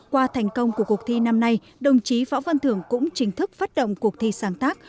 qua thành công của cuộc thi năm nay đồng chí võ văn thưởng cũng chính thức phát động cuộc thi sáng tác